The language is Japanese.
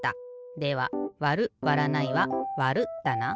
ではわるわらないはわるだな。